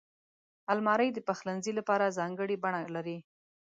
الماري د پخلنځي لپاره ځانګړې بڼه لري